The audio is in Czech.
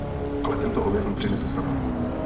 Ale tento objev mu přinesl zklamání.